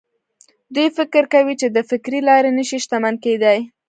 دوی فکر کوي چې د فکري لارې نه شي شتمن کېدای.